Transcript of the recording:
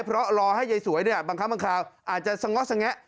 เพราะรอให้ยายสวยเนี่ยบางครั้งบางคราวอาจจะสง้อสงแงะ